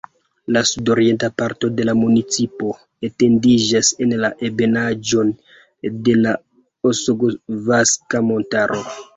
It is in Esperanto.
La sudorienta parto de la municipo etendiĝas en la ebenaĵon de la Osogovska Montaro.